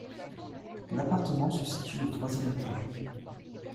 L’appartement se situe au troisième étage.